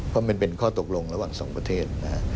เพราะมันเป็นข้อตกลงระหว่างสองประเทศนะฮะ